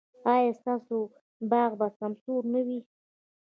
ایا ستاسو باغ به سمسور نه وي؟